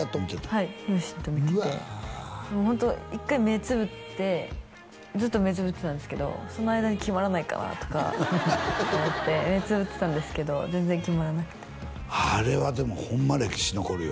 はい両親と見ててホント一回目つぶってずっと目つぶってたんですけどその間に決まらないかなとか思って目つぶってたんですけど全然決まらなくてあれはでもホンマ歴史残るよ